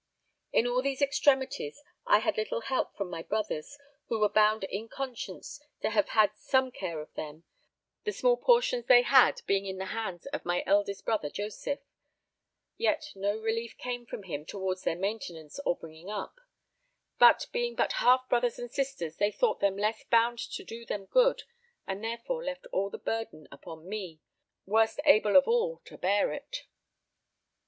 In all these extremities I had little help from my brothers, who were bound in conscience to have had some care of them, the small portions they had being in the hands of my eldest brother Joseph, yet no relief came from him towards their maintenance or bringing up; but being but half brothers and sisters they thought them less bound to do them good and therefore left all the burden upon me, worst able of all to bear it.